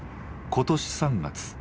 今年３月。